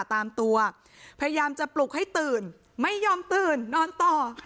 ตามตัวพยายามจะปลุกให้ตื่นไม่ยอมตื่นนอนต่อ